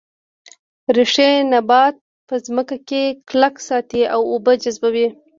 ریښې نبات په ځمکه کې کلک ساتي او اوبه جذبوي